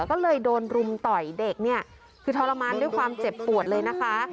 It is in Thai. ก็เลยโดนรุมต่อยเด็กเนี่ยคือทรมานด้วยความเจ็บปวดเลยนะคะ